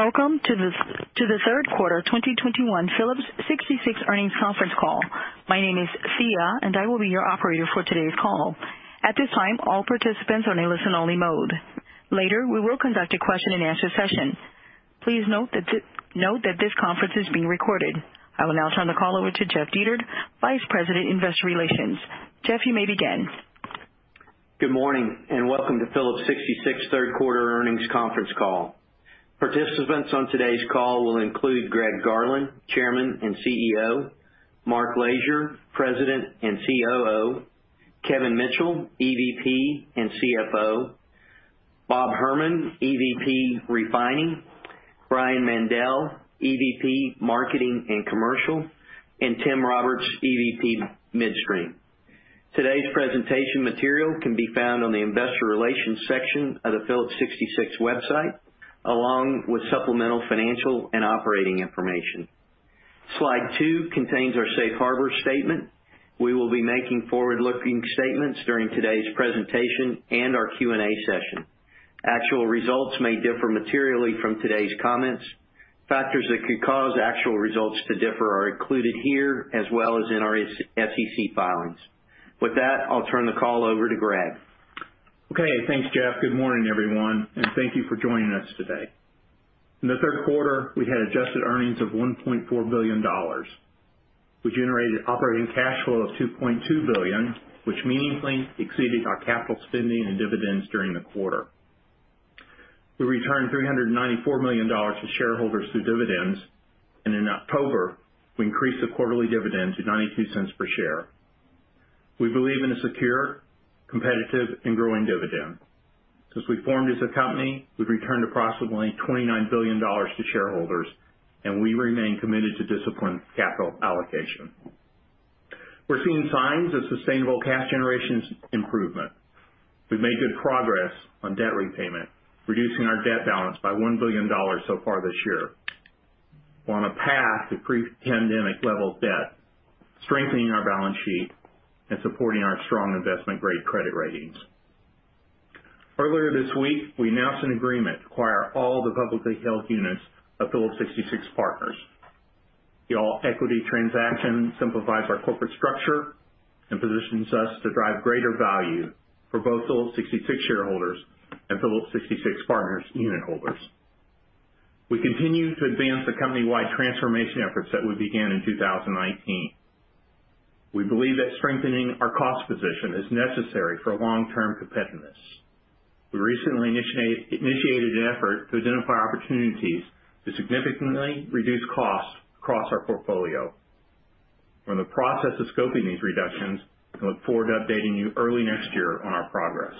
Welcome to the third quarter 2021 Phillips 66 earnings conference call. My name is Thea, and I will be your operator for today's call. At this time, all participants are in listen-only mode. Later, we will conduct a question and answer session. Please note that this conference is being recorded. I will now turn the call over to Jeff Dietert, Vice President, Investor Relations. Jeff, you may begin. Good morning and welcome to Phillips 66 third quarter earnings conference call. Participants on today's call will include Greg Garland, Chairman and CEO, Mark Lashier, President and COO, Kevin Mitchell, EVP and CFO, Bob Herman, EVP Refining, Brian Mandell, EVP Marketing and Commercial, and Tim Roberts, EVP Midstream. Today's presentation material can be found on the investor relations section of the Phillips 66 website, along with supplemental financial and operating information. Slide two contains our safe harbor statement. We will be making forward-looking statements during today's presentation and our Q&A session. Actual results may differ materially from today's comments. Factors that could cause actual results to differ are included here, as well as in our SEC filings. With that, I'll turn the call over to Greg. Okay, thanks, Jeff. Good morning, everyone, and thank you for joining us today. In the third quarter, we had adjusted earnings of $1.4 billion. We generated operating cash flow of $2.2 billion, which meaningfully exceeded our capital spending and dividends during the quarter. We returned $394 million to shareholders through dividends, and in October, we increased the quarterly dividend to $0.92 per share. We believe in a secure, competitive, and growing dividend. Since we formed as a company, we've returned approximately $29 billion to shareholders, and we remain committed to disciplined capital allocation. We're seeing signs of sustainable cash generation improvement. We've made good progress on debt repayment, reducing our debt balance by $1 billion so far this year. We're on a path to pre-pandemic level debt, strengthening our balance sheet and supporting our strong investment grade credit ratings. Earlier this week, we announced an agreement to acquire all the publicly held units of Phillips 66 Partners. The all-equity transaction simplifies our corporate structure and positions us to drive greater value for both Phillips 66 shareholders and Phillips 66 Partners unit holders. We continue to advance the company-wide transformation efforts that we began in 2019. We believe that strengthening our cost position is necessary for long-term competitiveness. We recently initiated an effort to identify opportunities to significantly reduce costs across our portfolio. We're in the process of scoping these reductions and look forward to updating you early next year on our progress.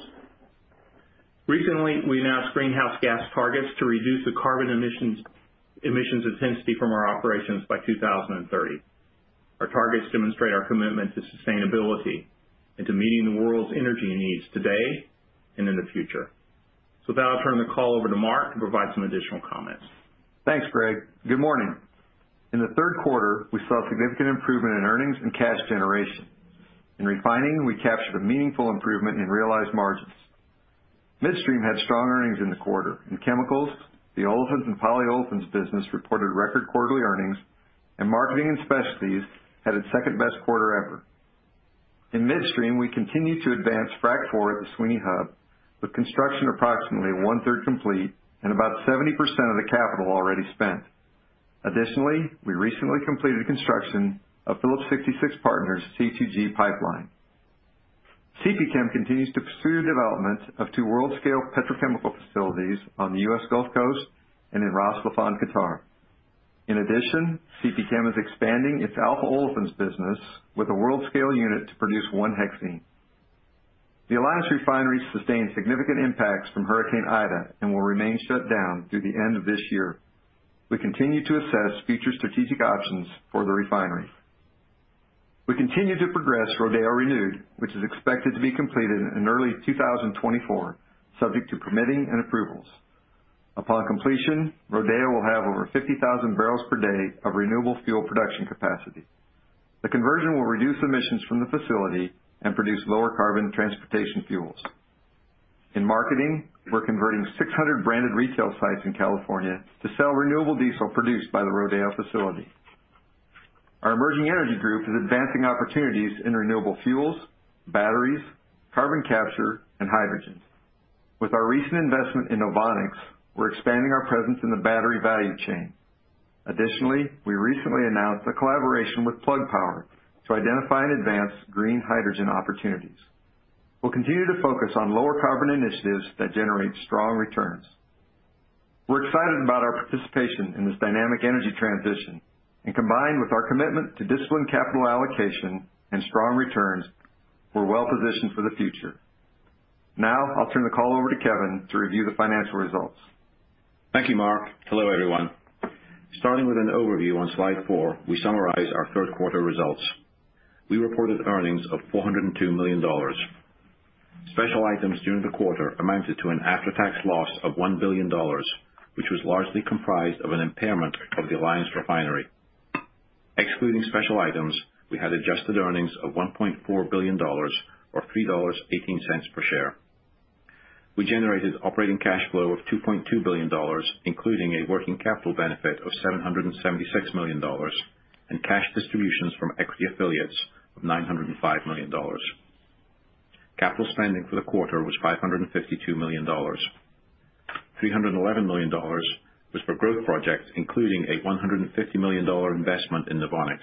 Recently, we announced greenhouse gas targets to reduce the carbon emissions intensity from our operations by 2030. Our targets demonstrate our commitment to sustainability and to meeting the world's energy needs today and in the future. With that, I'll turn the call over to Mark to provide some additional comments. Thanks, Greg. Good morning. In the third quarter, we saw significant improvement in earnings and cash generation. In refining, we captured a meaningful improvement in realized margins. Midstream had strong earnings in the quarter. In chemicals, the olefins and polyolefins business reported record quarterly earnings, and marketing and specialties had its second-best quarter ever. In Midstream, we continue to advance Frac 4 at the Sweeny Hub, with construction approximately 1/3 complete and about 70% of the capital already spent. Additionally, we recently completed construction of Phillips 66 Partners' C2G Pipeline. CPChem continues to pursue development of two world-scale petrochemical facilities on the U.S. Gulf Coast and in Ras Laffan, Qatar. In addition, CPChem is expanding its alpha olefins business with a world-scale unit to produce 1-hexene. The Alliance Refinery sustained significant impacts from Hurricane Ida and will remain shut down through the end of this year. We continue to assess future strategic options for the refinery. We continue to progress Rodeo Renewed, which is expected to be completed in early 2024, subject to permitting and approvals. Upon completion, Rodeo will have over 50,000 barrels per day of renewable fuel production capacity. The conversion will reduce emissions from the facility and produce lower carbon transportation fuels. In marketing, we're converting 600 branded retail sites in California to sell renewable diesel produced by the Rodeo facility. Our Emerging Energy group is advancing opportunities in renewable fuels, batteries, carbon capture, and hydrogen. With our recent investment in Novonix, we're expanding our presence in the battery value chain. Additionally, we recently announced a collaboration with Plug Power to identify and advance green hydrogen opportunities. We'll continue to focus on lower carbon initiatives that generate strong returns. We're excited about our participation in this dynamic energy transition and combined with our commitment to disciplined capital allocation and strong returns, we're well positioned for the future. Now I'll turn the call over to Kevin to review the financial results. Thank you, Mark. Hello, everyone. Starting with an overview on slide four, we summarize our third quarter results. We reported earnings of $402 million. Special items during the quarter amounted to an after-tax loss of $1 billion, which was largely comprised of an impairment of the Alliance Refinery. Excluding special items, we had adjusted earnings of $1.4 billion or $3.18 per share. We generated operating cash flow of $2.2 billion, including a working capital benefit of $776 million and cash distributions from equity affiliates of $905 million. Capital spending for the quarter was $552 million. $311 million was for growth projects, including a $150 million investment in Novonix.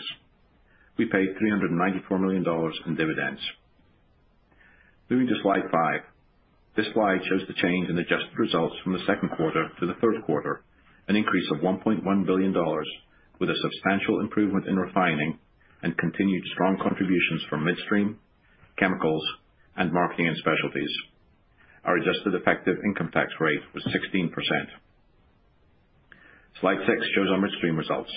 We paid $394 million in dividends. Moving to slide five. This slide shows the change in adjusted results from the second quarter to the third quarter, an increase of $1.1 billion with a substantial improvement in refining and continued strong contributions from Midstream, Chemicals, and Marketing and Specialties. Our adjusted effective income tax rate was 16%. Slide six shows our Midstream results.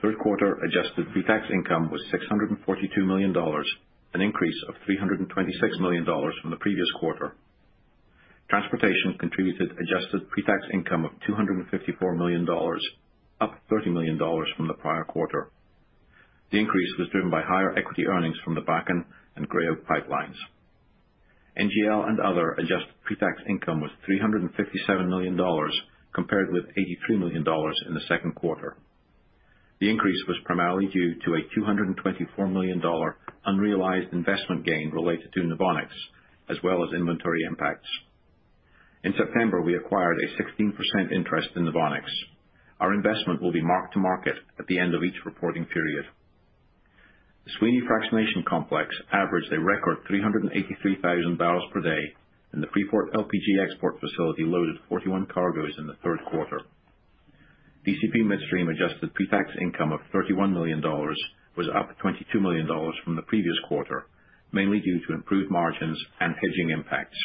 Third quarter adjusted pre-tax income was $642 million, an increase of $326 million from the previous quarter. Transportation contributed adjusted pre-tax income of $254 million, up $30 million from the prior quarter. The increase was driven by higher equity earnings from the Bakken and Gray Oak pipelines. NGL and other adjusted pre-tax income was $357 million, compared with $83 million in the second quarter. The increase was primarily due to a $224 million unrealized investment gain related to Novonix as well as inventory impacts. In September, we acquired a 16% interest in Novonix. Our investment will be marked to market at the end of each reporting period. The Sweeny Fractionation Complex averaged a record 383,000 barrels per day, and the Freeport LPG export facility loaded 41 cargoes in the third quarter. DCP Midstream adjusted pre-tax income of $31 million was up $22 million from the previous quarter, mainly due to improved margins and hedging impacts.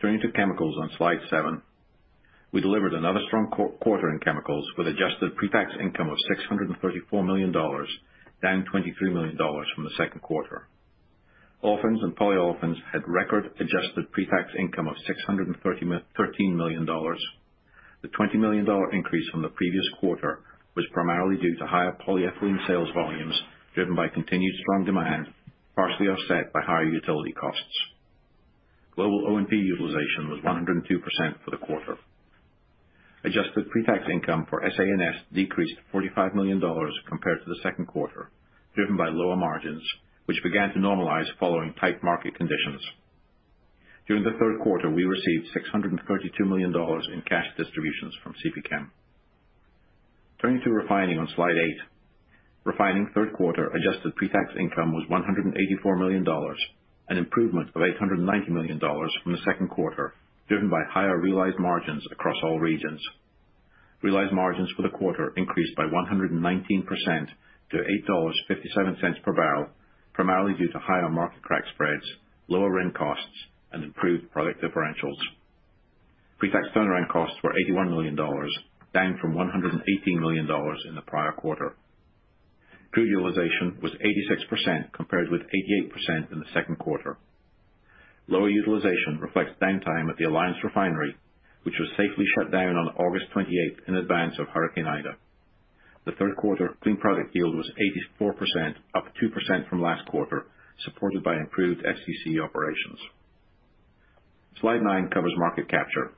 Turning to Chemicals on slide seven. We delivered another strong quarter in Chemicals with adjusted pre-tax income of $634 million, down $23 million from the second quarter. Olefins and polyolefins had record adjusted pre-tax income of $613 million. The $20 million increase from the previous quarter was primarily due to higher polyethylene sales volumes driven by continued strong demand, partially offset by higher utility costs. Global O&P utilization was 102% for the quarter. Adjusted pre-tax income for SA&S decreased $45 million compared to the second quarter, driven by lower margins, which began to normalize following tight market conditions. During the third quarter, we received $632 million in cash distributions from CPChem. Turning to Refining on slide eight. Refining third quarter adjusted pre-tax income was $184 million, an improvement of $890 million from the second quarter, driven by higher realized margins across all regions. Realized margins for the quarter increased by 119% to $8.57 per barrel, primarily due to higher market crack spreads, lower RIN costs, and improved product differentials. Pre-tax turnaround costs were $81 million, down from $118 million in the prior quarter. Crude utilization was 86%, compared with 88% in the second quarter. Lower utilization reflects downtime at the Alliance Refinery, which was safely shut down on August 28 in advance of Hurricane Ida. The third quarter clean product yield was 84%, up 2% from last quarter, supported by improved FCC operations. Slide nine covers market capture.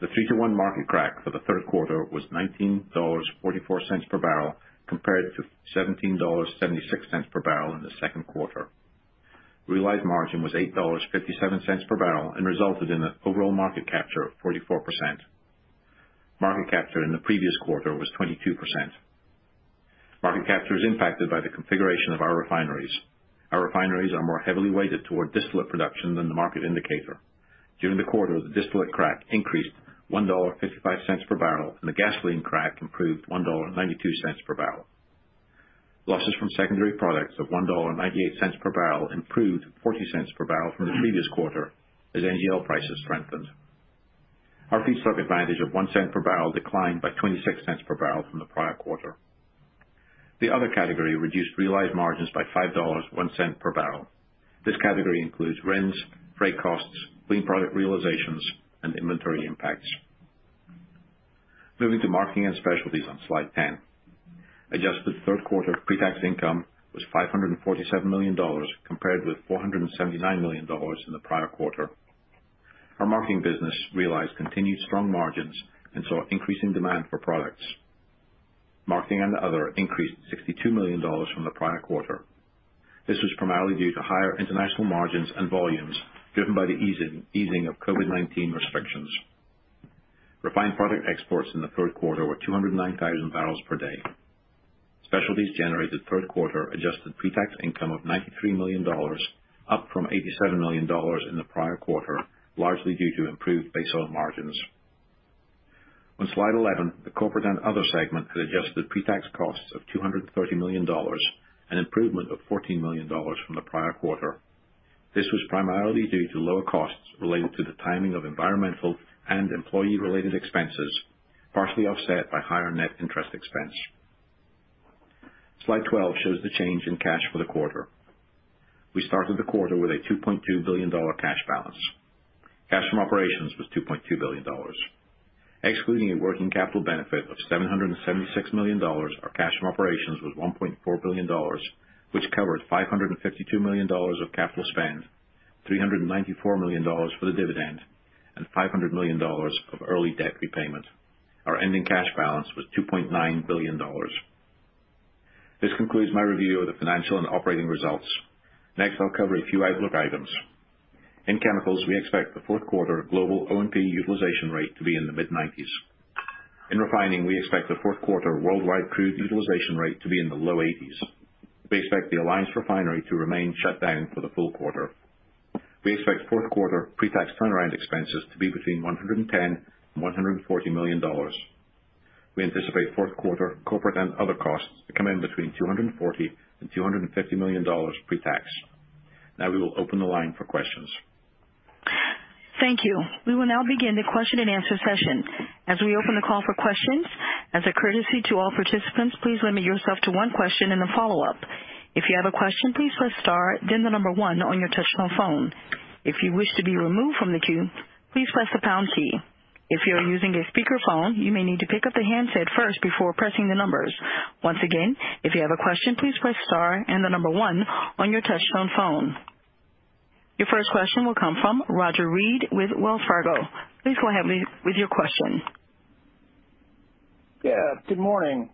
The 3:2:1 market crack for the third quarter was $19.44 per barrel, compared to $17.76 per barrel in the second quarter. Realized margin was $8.57 per barrel and resulted in an overall market capture of 44%. Market capture in the previous quarter was 22%. Market capture is impacted by the configuration of our refineries. Our refineries are more heavily weighted toward distillate production than the market indicator. During the quarter, the distillate crack increased $1.55 per barrel, and the gasoline crack improved $1.92 per barrel. Losses from secondary products of $1.98 per barrel improved 40 cents per barrel from the previous quarter as NGL prices strengthened. Our feedstock advantage of 1 cent per barrel declined by 26 cents per barrel from the prior quarter. The other category reduced realized margins by $5.01 per barrel. This category includes RINs, freight costs, clean product realizations, and inventory impacts. Moving to Marketing and Specialties on slide 10. Adjusted third quarter pre-tax income was $547 million, compared with $479 million in the prior quarter. Our marketing business realized continued strong margins and saw increasing demand for products. Marketing and other increased $62 million from the prior quarter. This was primarily due to higher international margins and volumes driven by the easing of COVID-19 restrictions. Refined product exports in the third quarter were 209,000 barrels per day. Specialties generated third quarter adjusted pre-tax income of $93 million, up from $87 million in the prior quarter, largely due to improved base oil margins. On slide 11, the Corporate and Other segment had adjusted pre-tax costs of $230 million, an improvement of $14 million from the prior quarter. This was primarily due to lower costs related to the timing of environmental and employee-related expenses, partially offset by higher net interest expense. Slide 12 shows the change in cash for the quarter. We started the quarter with a $2.2 billion cash balance. Cash from operations was $2.2 billion. Excluding a working capital benefit of $776 million, our cash from operations was $1.4 billion, which covered $552 million of capital spend, $394 million for the dividend, and $500 million of early debt repayment. Our ending cash balance was $2.9 billion. This concludes my review of the financial and operating results. Next, I'll cover a few outlook items. In Chemicals, we expect the fourth quarter global O&P utilization rate to be in the mid-90s%. In Refining, we expect the fourth quarter worldwide crude utilization rate to be in the low 80s%. We expect the Alliance Refinery to remain shut down for the full quarter. We expect fourth quarter pre-tax turnaround expenses to be between $110 million and $140 million. We anticipate fourth quarter corporate and other costs to come in between $240 million and $250 million pre-tax. Now we will open the line for questions. Thank you. We will now begin the question-and-answer session. As we open the call for questions, as a courtesy to all participants, please limit yourself to one question and a follow-up. If you have a question, please press star then one on your touch-tone phone. If you wish to be removed from the queue, please press the pound key. If you are using a speakerphone, you may need to pick up the handset first before pressing the numbers. Once again, if you have a question, please press star and one on your touch-tone phone. Your first question will come from Roger Read with Wells Fargo. Please go ahead with your question. Yeah, good morning.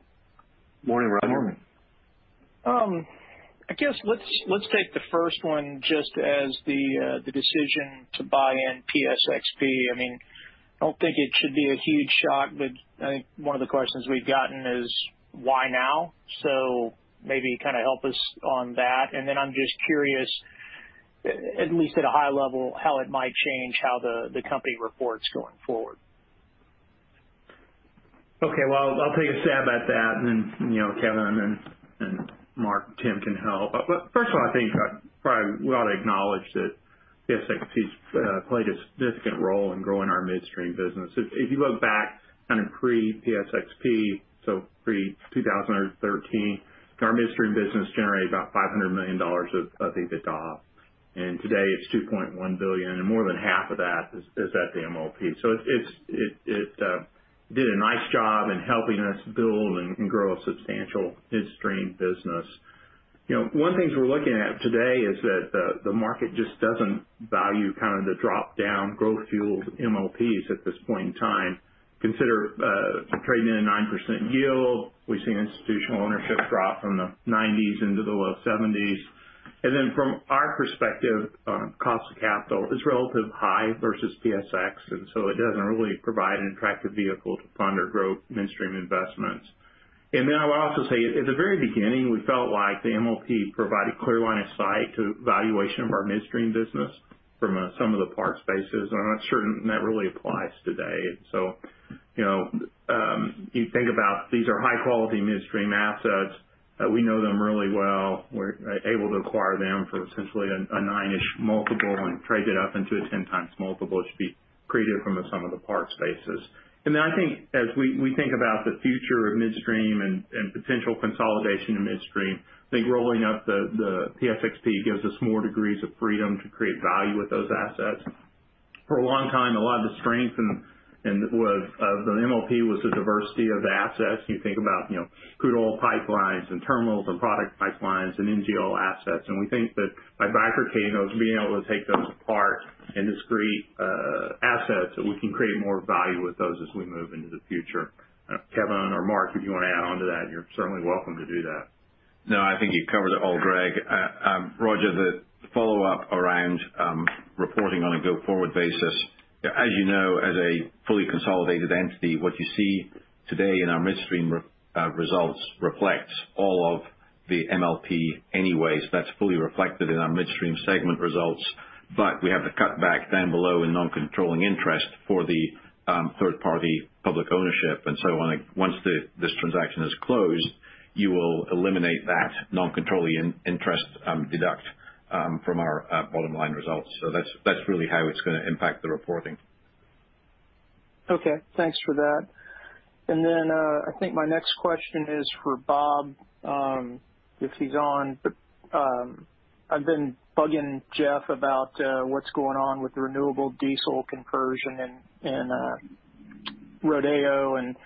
Morning, Roger. Good morning. I guess let's take the first one just as the decision to buy in PSXP. I mean, I don't think it should be a huge shock, but I think one of the questions we've gotten is why now? Maybe kind of help us on that. I'm just curious, at least at a high level, how it might change how the company reports going forward? Okay. Well, I'll take a stab at that. Then, you know, Kevin and Mark, Tim can help. First of all, I think probably we ought to acknowledge that PSXP's played a significant role in growing our midstream business. If you look back kind of pre-PSXP, so pre-2013, our midstream business generated about $500 million of EBITDA. Today it's $2.1 billion, and more than half of that is at the MLP. It did a nice job in helping us build and grow a substantial midstream business. You know, one of the things we're looking at today is that the market just doesn't value kind of the drop-down growth fueled MLPs at this point in time. Consider trading in a 9% yield. We've seen institutional ownership drop from the 90s into the low 70s. From our perspective, cost of capital is relatively high versus PSX, and so it doesn't really provide an attractive vehicle to fund or grow midstream investments. I would also say at the very beginning, we felt like the MLP provided clear line of sight to valuation of our midstream business from a sum of the parts basis. I'm not certain that really applies today. You think about these are high quality midstream assets. We know them really well. We're able to acquire them for essentially a nine-ish multiple and trade it up into a 10x multiple. It should be created from the sum of the parts basis. I think as we think about the future of midstream and potential consolidation of midstream, I think rolling up the PSXP gives us more degrees of freedom to create value with those assets. For a long time, a lot of the strength of the MLP was the diversity of the assets. You think about, you know, crude oil pipelines and terminals and product pipelines and NGL assets. We think that by bifurcating those and being able to take those apart in discrete assets, that we can create more value with those as we move into the future. Kevin or Mark, if you want to add on to that, you're certainly welcome to do that. No, I think you've covered it all, Greg. Roger, the follow up around reporting on a go-forward basis. As you know, as a fully consolidated entity, what you see today in our midstream results reflects all of the MLP anyways. That's fully reflected in our midstream segment results. But we have to cut back down below in non-controlling interest for the third-party public ownership and so on. Once this transaction is closed, you will eliminate that non-controlling interest deduction from our bottom line results. That's really how it's gonna impact the reporting. Okay. Thanks for that. I think my next question is for Bob, if he's on. I've been bugging Jeff about what's going on with the renewable diesel conversion and Rodeo and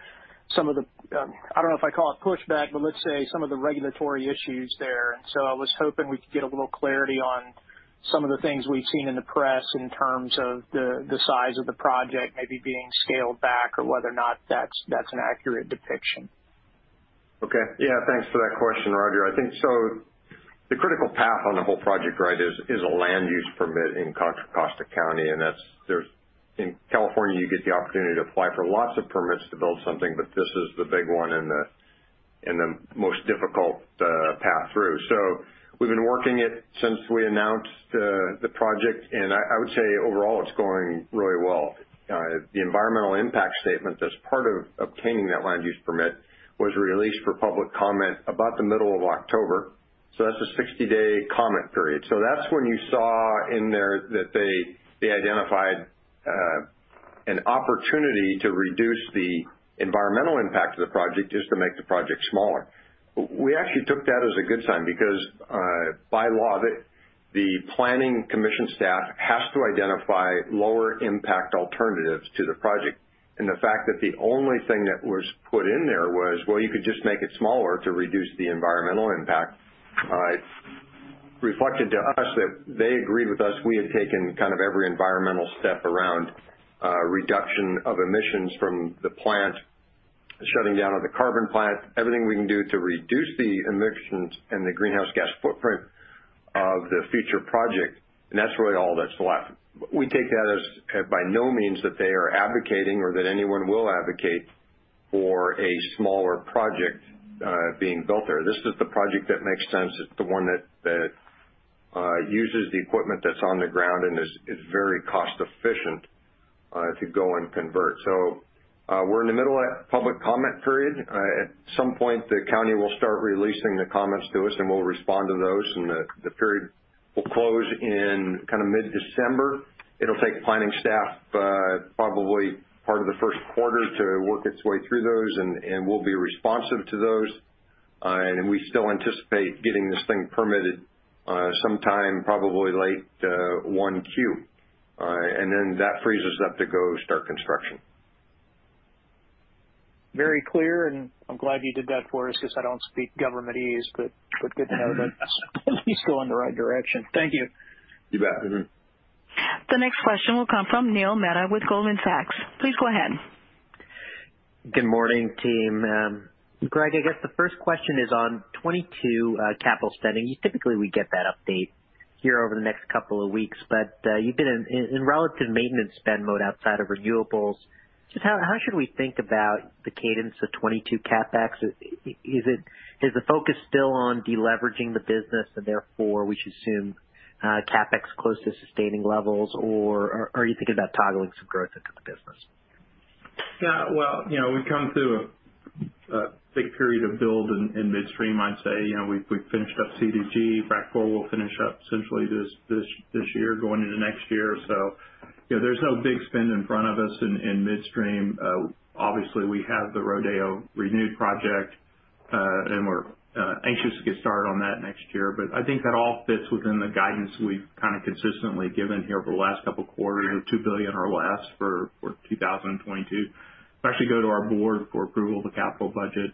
some of the, I don't know if I'd call it pushback, but let's say some of the regulatory issues there. I was hoping we could get a little clarity on some of the things we've seen in the press in terms of the size of the project maybe being scaled back or whether or not that's an accurate depiction. Okay. Yeah, thanks for that question, Roger. I think so the critical path on the whole project, right, is a land use permit in Contra Costa County. That's in California, you get the opportunity to apply for lots of permits to build something, but this is the big one and the most difficult path through. We've been working it since we announced the project, and I would say overall it's going really well. The environmental impact statement as part of obtaining that land use permit was released for public comment about the middle of October. That's a 60-day comment period. That's when you saw in there that they identified. An opportunity to reduce the environmental impact of the project is to make the project smaller. We actually took that as a good sign because, by law, the planning commission staff has to identify lower impact alternatives to the project. The fact that the only thing that was put in there was, well, you could just make it smaller to reduce the environmental impact, reflected to us that they agreed with us. We had taken kind of every environmental step around, reduction of emissions from the plant, shutting down of the carbon plant, everything we can do to reduce the emissions and the greenhouse gas footprint of the future project, and that's really all that's left. We take that as, by no means that they are advocating or that anyone will advocate for a smaller project, being built there. This is the project that makes sense. It's the one that uses the equipment that's on the ground and is very cost efficient to go and convert. We're in the middle of that public comment period. At some point, the county will start releasing the comments to us, and we'll respond to those, and the period will close in kind of mid-December. It'll take planning staff probably part of the first quarter to work its way through those, and we'll be responsive to those. We still anticipate getting this thing permitted sometime probably late Q1. That frees us up to go start construction. Very clear, and I'm glad you did that for us because I don't speak governmentese, but good to know that at least we're going the right direction. Thank you. You bet. Mm-hmm. The next question will come from Neil Mehta with Goldman Sachs. Please go ahead. Good morning, team. Greg, I guess the first question is on 2022 capital spending. Typically, we get that update here over the next couple of weeks, but you've been in relative maintenance spend mode outside of renewables. Just how should we think about the cadence of 2022 CapEx? Is the focus still on deleveraging the business and therefore we should assume CapEx close to sustaining levels, or are you thinking about toggling some growth into the business? Yeah. Well, you know, we've come through a big period of build in midstream, I'd say. You know, we've finished up C2G. Frac 4 will finish up essentially this year going into next year. So, you know, there's no big spend in front of us in midstream. Obviously we have the Rodeo Renewed project, and we're anxious to get started on that next year. But I think that all fits within the guidance we've kind of consistently given here over the last couple quarters, $2 billion or less for 2022. We actually go to our board for approval of the capital budget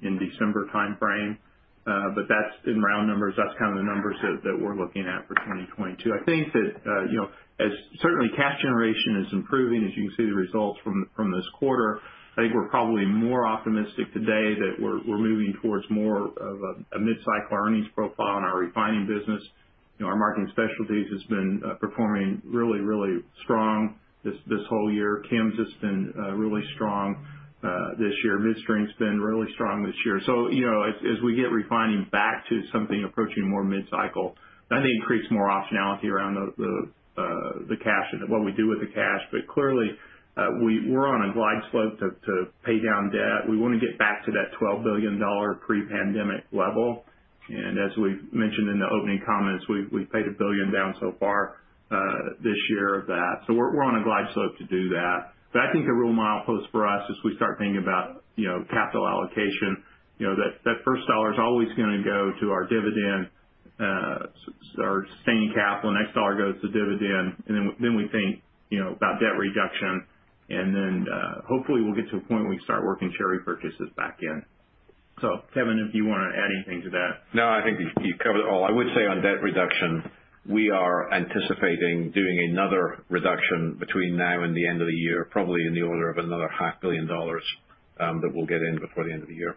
in December timeframe. But that's in round numbers. That's kind of the numbers that we're looking at for 2022. I think that, you know, as certainly cash generation is improving, as you can see the results from this quarter. I think we're probably more optimistic today that we're moving towards more of a mid-cycle earnings profile in our refining business. You know, our marketing specialties has been performing really strong this whole year. Chems has been really strong this year. Midstream's been really strong this year. You know, as we get refining back to something approaching more mid-cycle, that'll increase more optionality around the cash and what we do with the cash. But clearly, we're on a glide slope to pay down debt. We wanna get back to that $12 billion pre-pandemic level. As we mentioned in the opening comments, we've paid $1 billion down so far this year of that. We're on a glide slope to do that. I think a real milepost for us as we start thinking about, you know, capital allocation, you know, that first dollar's always gonna go to our dividend, our sustaining capital. Next dollar goes to dividend, and then we think, you know, about debt reduction. Hopefully we'll get to a point where we start working share repurchases back in. Kevin, if you wanna add anything to that. No, I think you've covered it all. I would say on debt reduction, we are anticipating doing another reduction between now and the end of the year, probably in the order of another half billion dollars, that we'll get in before the end of the year.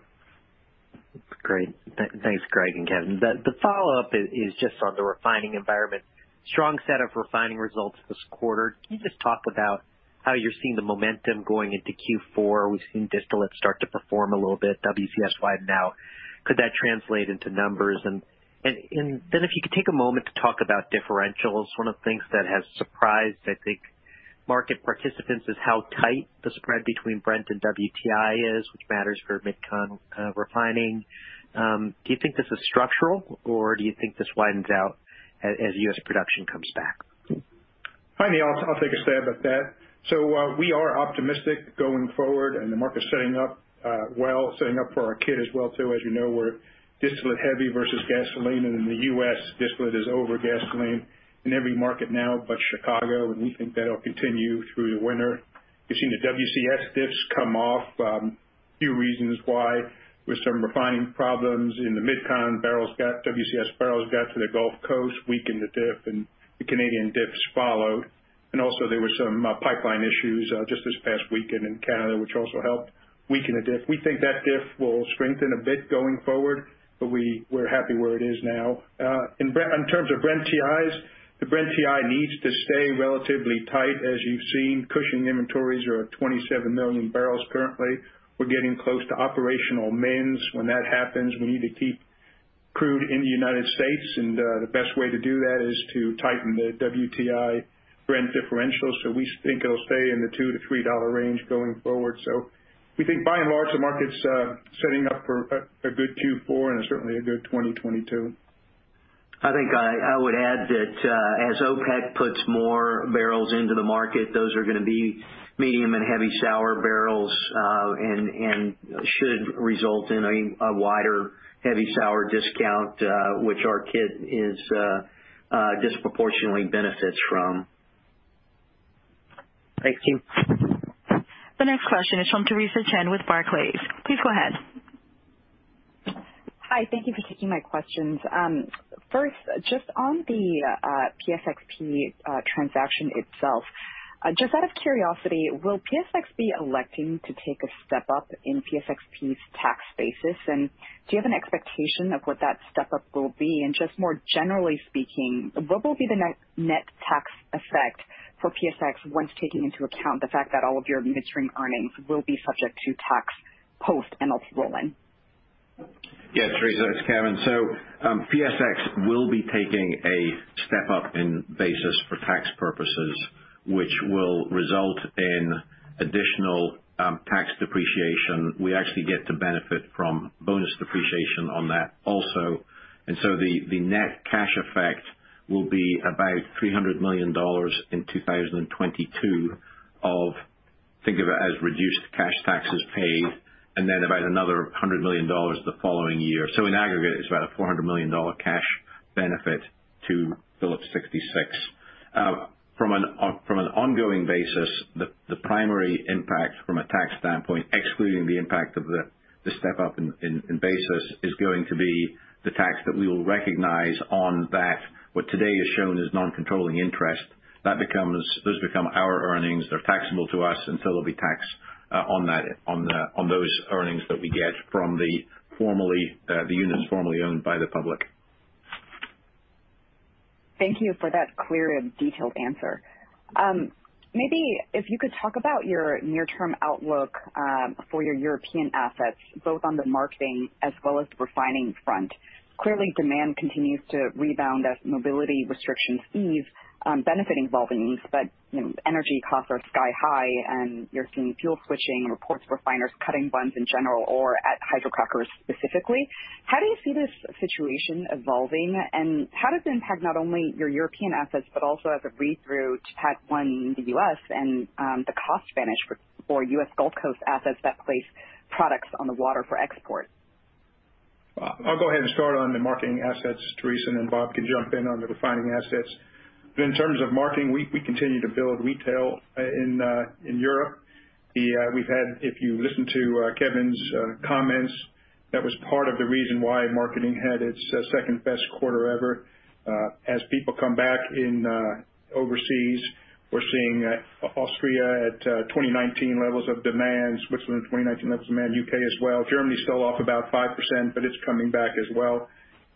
Great. Thanks, Greg and Kevin. The follow-up is just on the refining environment. Strong set of refining results this quarter. Can you just talk about how you're seeing the momentum going into Q4? We've seen distillates start to perform a little bit WCS-wide now. Could that translate into numbers? If you could take a moment to talk about differentials. One of the things that has surprised, I think, market participants, is how tight the spread between Brent and WTI is, which matters for MidCon refining. Do you think this is structural, or do you think this widens out as U.S. production comes back? Hi, Neil. I'll take a stab at that. We are optimistic going forward, and the market's setting up, well, setting up for our kit as well too. As you know, we're distillate heavy versus gasoline, and in the U.S., distillate is over gasoline in every market now but Chicago, and we think that'll continue through the winter. We've seen the WCS diffs come off. A few reasons why. With some refining problems in the MidCon, WCS barrels got to the Gulf Coast, weakened the diff, and the Canadian diffs followed. Also, there were some pipeline issues just this past weekend in Canada, which also helped weaken the diff. We think that diff will strengthen a bit going forward, but we're happy where it is now. In terms of Brent TIs, the Brent TI needs to stay relatively tight. As you've seen, Cushing inventories are at 27 million barrels currently. We're getting close to operational mins. When that happens, we need to keep crude in the United States, and the best way to do that is to tighten the WTI Brent differential. We think it'll stay in the $2-$3 range going forward. By and large, the market's setting up for a good Q4 and certainly a good 2022. I think I would add that as OPEC puts more barrels into the market, those are gonna be medium and heavy sour barrels and should result in a wider heavy sour discount which our kit disproportionately benefits from. Thanks, team. The next question is from Theresa Chen with Barclays. Please go ahead. Hi. Thank you for taking my questions. First, just on the PSXP transaction itself, just out of curiosity, will PSX be electing to take a step up in PSXP's tax basis? And do you have an expectation of what that step up will be? And just more generally speaking, what will be the net tax effect for PSX once taking into account the fact that all of your midstream earnings will be subject to tax post EnLink's roll-in? Yeah, Teresa, it's Kevin. PSX will be taking a step up in basis for tax purposes, which will result in additional tax depreciation. We actually get to benefit from bonus depreciation on that also. The net cash effect will be about $300 million in 2022 or think of it as reduced cash taxes paid, and then about another $100 million the following year. In aggregate, it's about a $400 million cash benefit to Phillips 66. From an ongoing basis, the primary impact from a tax standpoint, excluding the impact of the step up in basis, is going to be the tax that we will recognize on that what today is shown as non-controlling interest. That becomes, those become our earnings. They're taxable to us, and so there'll be tax on those earnings that we get from the units formerly owned by the public. Thank you for that clear and detailed answer. Maybe if you could talk about your near-term outlook for your European assets, both on the marketing as well as the refining front. Clearly, demand continues to rebound as mobility restrictions ease, benefiting volumes. You know, energy costs are sky-high, and you're seeing fuel switching and reports refiners cutting runs in general or at hydrocrackers specifically. How do you see this situation evolving, and how does it impact not only your European assets but also as a read-through to PADD 1 in the U.S. and the cost advantage for U.S. Gulf Coast assets that place products on the water for export? I'll go ahead and start on the marketing assets, Theresa, and then Bob can jump in on the refining assets. In terms of marketing, we continue to build retail in Europe. If you listen to Kevin's comments, that was part of the reason why marketing had its second-best quarter ever. As people come back in overseas, we're seeing Austria at 2019 levels of demand, Switzerland 2019 levels of demand, U.K. as well. Germany's still off about 5%, but it's coming back as well.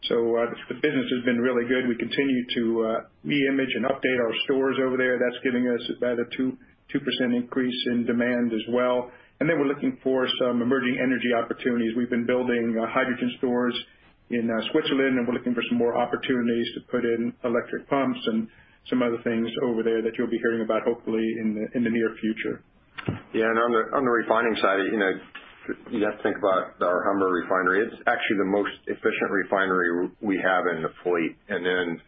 The business has been really good. We continue to re-image and update our stores over there. That's giving us about a 2% increase in demand as well. Then we're looking for some Emerging Energy opportunities. We've been building hydrogen stores in Switzerland, and we're looking for some more opportunities to put in electric pumps and some other things over there that you'll be hearing about, hopefully, in the near future. Yeah. On the refining side, you know, you have to think about our Humber Refinery. It's actually the most efficient refinery we have in the fleet. Then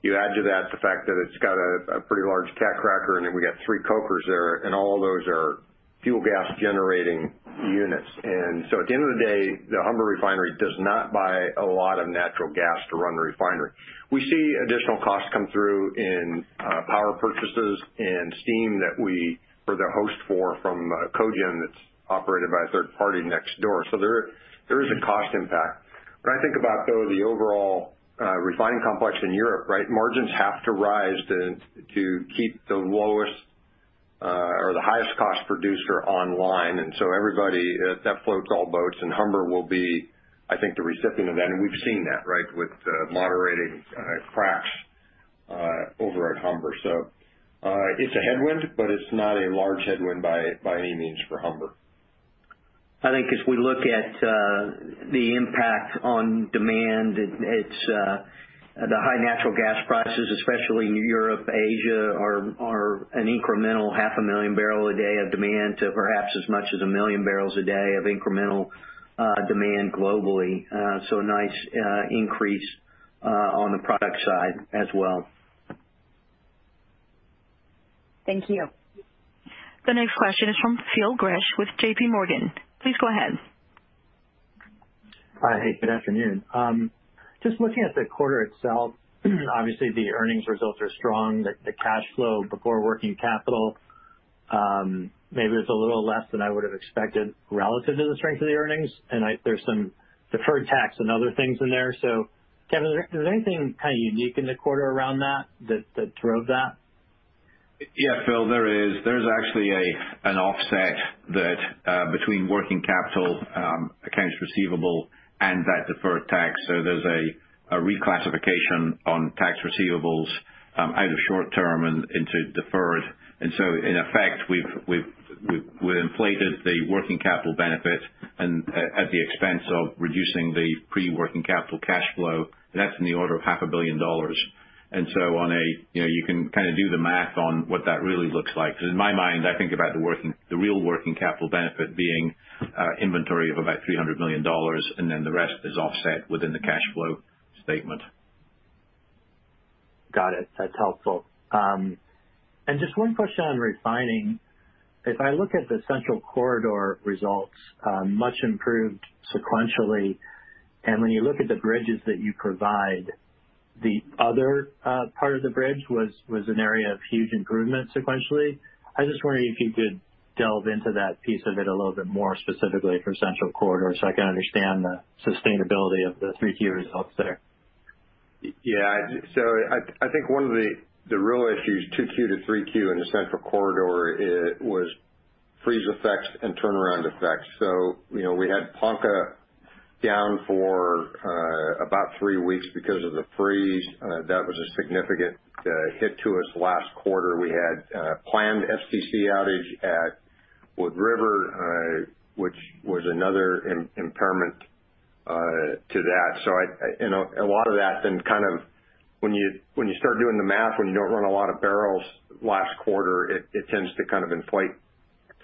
you add to that the fact that it's got a pretty large cat cracker, and then we got three cokers there, and all those are fuel gas generating units. At the end of the day, the Humber Refinery does not buy a lot of natural gas to run the refinery. We see additional costs come through in power purchases and steam that we are the host for from a cogen that's operated by a third party next door. There is a cost impact. When I think about, though, the overall refining complex in Europe, right? Margins have to rise to keep the lowest or the highest cost producer online. Everybody that floats all boats, and Humber will be, I think, the recipient of that. We've seen that, right, with moderating cracks over at Humber. It's a headwind, but it's not a large headwind by any means for Humber. I think as we look at the impact on demand, it's the high natural gas prices, especially in Europe, Asia, are an incremental 500,000 barrels a day of demand to perhaps as much as 1 million barrels a day of incremental demand globally. A nice increase on the product side as well. Thank you. The next question is from Phil Gresh with JPMorgan. Please go ahead. Hi. Hey, good afternoon. Just looking at the quarter itself, obviously the earnings results are strong. The cash flow before working capital, maybe it's a little less than I would've expected relative to the strength of the earnings. There's some deferred tax and other things in there. Kevin, is there anything kind of unique in the quarter around that that drove that? Yeah, Phil, there is. There's actually an offset between working capital, accounts receivable and that deferred tax. There's a reclassification on tax receivables out of short-term and into deferred. In effect, we've inflated the working capital benefit at the expense of reducing the pre-working capital cash flow, and that's in the order of half a billion dollars. On a, you know, you can kind of do the math on what that really looks like. Because in my mind, I think about the real working capital benefit being inventory of about $300 million, and then the rest is offset within the cash flow statement. Got it. That's helpful. Just one question on refining. If I look at the Central Corridor results, much improved sequentially, and when you look at the bridges that you provide, the other part of the bridge was an area of huge improvement sequentially. I was just wondering if you could delve into that piece of it a little bit more specifically for Central Corridor, so I can understand the sustainability of the three key results there. I think one of the real issues 2Q-3Q in the Central Corridor. It was freeze effects and turnaround effects. You know, we had Ponca down for about three weeks because of the freeze. That was a significant hit to us last quarter. We had planned STC outage at Wood River, which was another impact to that. You know, a lot of that then kind of when you start doing the math, when you don't run a lot of barrels last quarter, it tends to kind of inflate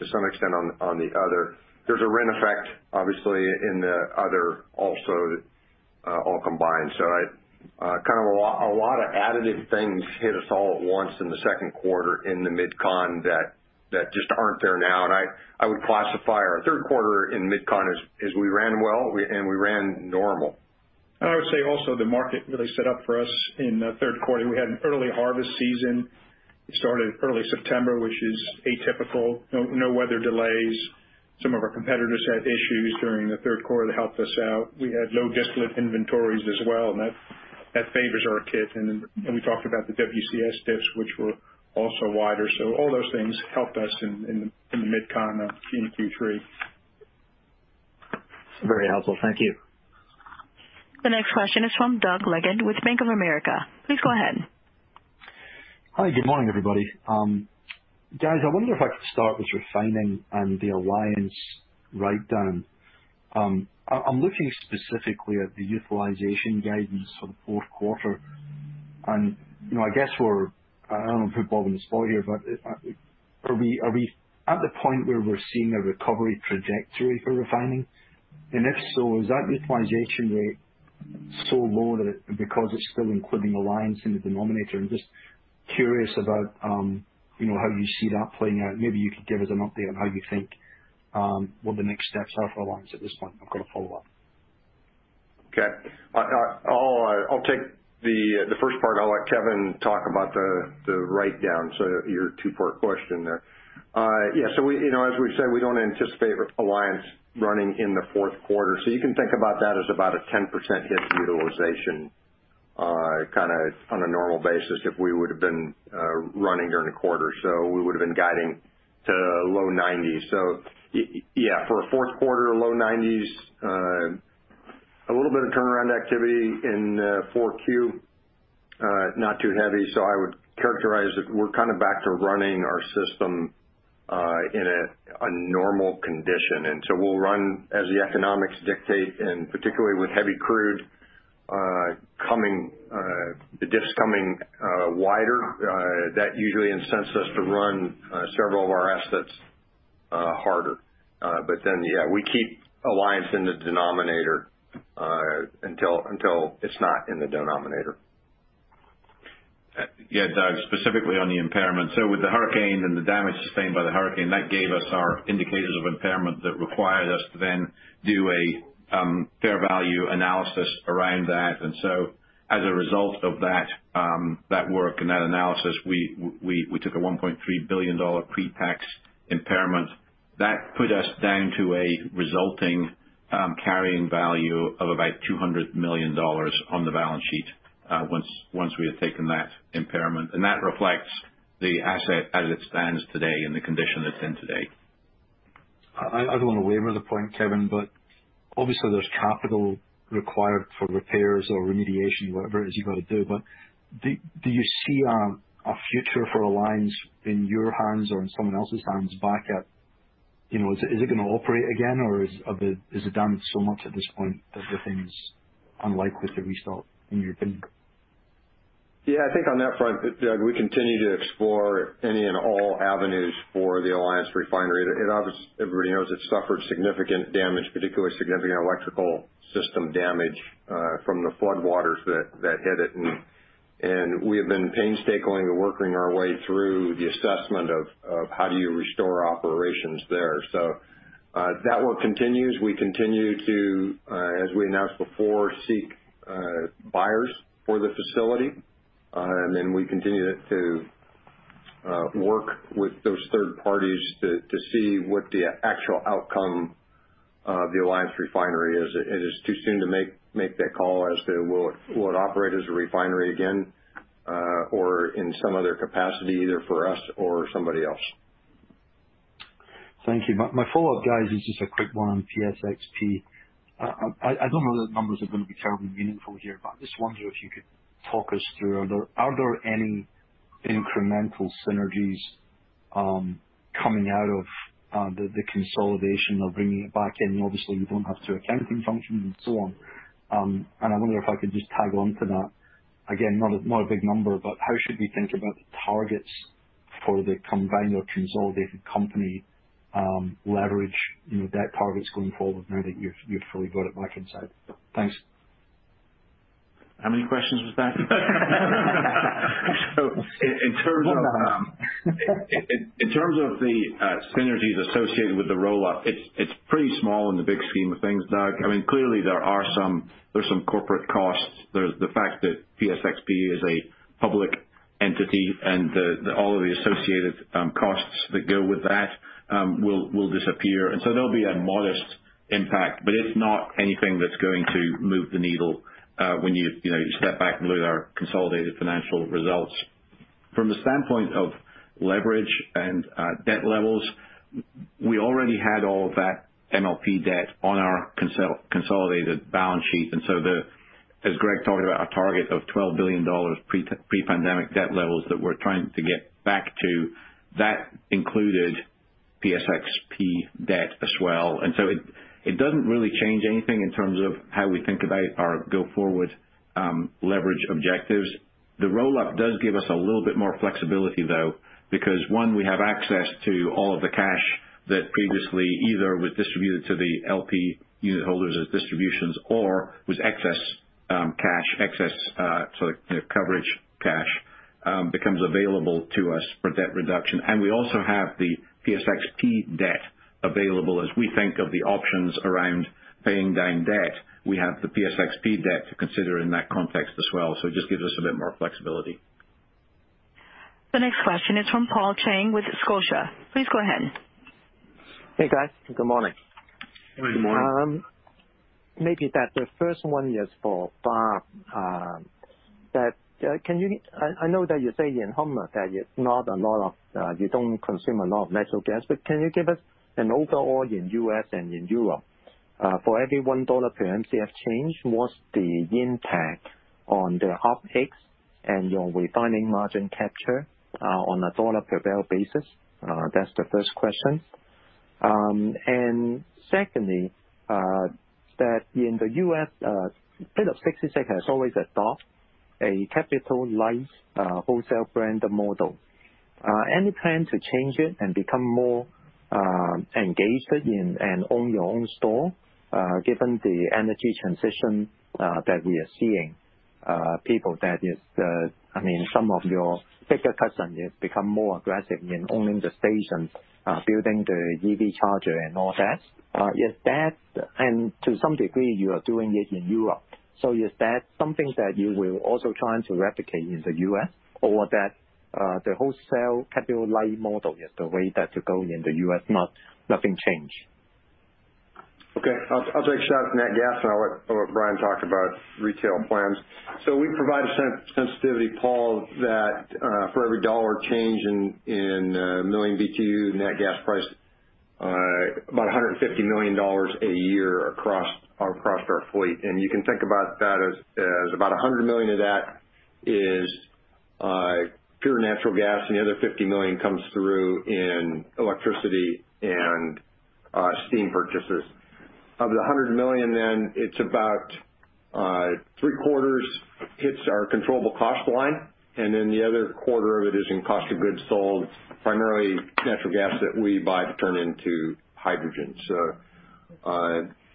to some extent on the other. There's a Brent effect, obviously, in the other also, all combined. I kind of a lot of additive things hit us all at once in the second quarter in the MidCon that just aren't there now. I would classify our third quarter in MidCon as we ran well, we ran normal. I would say also the market really set up for us in the third quarter. We had an early harvest season. It started early September, which is atypical. No weather delays. Some of our competitors had issues during the third quarter that helped us out. We had low distillate inventories as well, and that favors our kit. We talked about the WCS diffs, which were also wider. All those things helped us in the MidCon in Q3. Very helpful. Thank you. The next question is from Doug Leggate with Bank of America. Please go ahead. Hi, good morning, everybody. Guys, I wonder if I could start with refining and the Alliance writedown. I'm looking specifically at the utilization guidance for the fourth quarter. You know, I guess I don't want to put Bob on the spot here, but are we at the point where we're seeing a recovery trajectory for refining? If so, is that utilization rate so low that because it's still including Alliance in the denominator? I'm just curious about, you know, how you see that playing out. Maybe you could give us an update on how you think what the next steps are for Alliance at this point. I've got a follow-up. Okay. I'll take the first part. I'll let Kevin talk about the write-down. Your two-part question there. Yeah, we, you know, as we've said, we don't anticipate Alliance running in the fourth quarter. You can think about that as about a 10% hit to utilization, kinda on a normal basis if we would have been running during the quarter. We would have been guiding to low 90s. Yeah, for a fourth quarter, low 90s, a little bit of turnaround activity in 4Q, not too heavy. I would characterize it; we're kind of back to running our system in a normal condition. We'll run as the economics dictate, and particularly with heavy crude coming, the diffs coming wider, that usually incents us to run several of our assets harder. Yeah, we keep Alliance in the denominator until it's not in the denominator. Yeah, Doug, specifically on the impairment. With the hurricane and the damage sustained by the hurricane, that gave us our indicators of impairment that required us to then do a fair value analysis around that. As a result of that work and that analysis, we took a $1.3 billion pre-tax impairment. That put us down to a resulting carrying value of about $200 million on the balance sheet once we had taken that impairment. That reflects the asset as it stands today and the condition it's in today. I don't want to labor the point, Kevin, but obviously there's capital required for repairs or remediation, whatever it is you've got to do. Do you see a future for Alliance in your hands or in someone else's hands back at, you know? Is it gonna operate again or is the damage so much at this point that the thing's unlikely to restart, in your opinion? Yeah, I think on that front, Doug, we continue to explore any and all avenues for the Alliance refinery. It's obvious everybody knows it suffered significant damage, particularly significant electrical system damage, from the floodwaters that hit it. We have been painstakingly working our way through the assessment of how do you restore operations there. That work continues. We continue to, as we announced before, seek buyers for the facility. We continue to work with those third parties to see what the actual outcome of the Alliance refinery is. It is too soon to make that call as to will it operate as a refinery again, or in some other capacity, either for us or somebody else. Thank you. My follow-up, guys, is just a quick one on PSXP. I don't know that the numbers are gonna be terribly meaningful here, but I just wonder if you could talk us through. Are there any incremental synergies? Coming out of the consolidation of bringing it back in, obviously you don't have two accounting functions and so on. I wonder if I could just tag on to that. Again, not a big number, but how should we think about the targets for the combined or consolidated company, leverage, debt targets going forward now that you've fully got it back inside? Thanks. How many questions was that? One. In terms of the synergies associated with the roll-up, it's pretty small in the big scheme of things, Doug. I mean, clearly there are some corporate costs. There's the fact that PSXP is a public entity and all of the associated costs that go with that will disappear. There'll be a modest impact, but it's not anything that's going to move the needle when you know you step back and look at our consolidated financial results. From the standpoint of leverage and debt levels, we already had all of that MLP debt on our consolidated balance sheet, and so, as Greg talked about, our target of $12 billion pre-pandemic debt levels that we're trying to get back to, that included PSXP debt as well. It doesn't really change anything in terms of how we think about our go forward leverage objectives. The roll-up does give us a little bit more flexibility though, because, one, we have access to all of the cash that previously either was distributed to the LP unit holders as distributions or was excess cash, sort of, you know, coverage cash, becomes available to us for debt reduction. We also have the PSXP debt available. As we think of the options around paying down debt, we have the PSXP debt to consider in that context as well. It just gives us a bit more flexibility. The next question is from Paul Cheng with Scotiabank. Please go ahead. Hey, guys. Good morning. Good morning. Good morning. Maybe the first one is for Bob Herman. I know that you say in Humber that it's not a lot of, you don't consume a lot of natural gas, but can you give us an overall in U.S. and in Europe, for every $1 per Mcf change, what's the impact on the OpEx and your refining margin capture, on a $1 per barrel basis? That's the first question. And secondly, that in the U.S., Phillips 66 has always adopt a capital light, wholesale brand model. Any plan to change it and become more engaged in and own your own store, given the energy transition that we are seeing, people that is, I mean, some of your bigger customers become more aggressive in owning the stations, building the EV charger and all that. Is that. To some degree, you are doing it in Europe. Is that something that you will also trying to replicate in the U.S. or that, the wholesale capital light model is the way that you're going in the U.S., not nothing change? Okay. I'll take a shot at net gas, and I'll let Brian talk about retail plans. We provide a sensitivity, Paul, that for every dollar change in million BTU net gas price, about $150 million a year across our fleet. You can think about that as about $100 million of that is pure natural gas, and the other $50 million comes through in electricity and steam purchases. Of the $100 million then, it's about three quarters hits our controllable cost line, and then the other quarter of it is in cost of goods sold, primarily natural gas that we buy to turn into hydrogen.